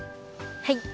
はい。